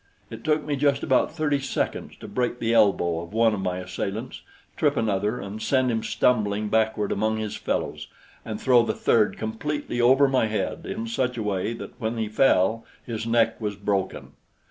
It took me just about thirty seconds to break the elbow of one of my assailants, trip another and send him stumbling backward among his fellows, and throw the third completely over my head in such a way that when he fell his neck was broken.